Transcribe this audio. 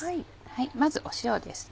まず塩ですね。